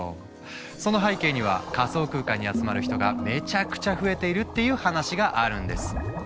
その背景には仮想空間に集まる人がめちゃくちゃ増えているっていう話があるんです。